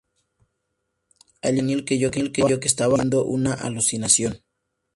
Al inicio, Daniel creyó que estaba teniendo una alucinación.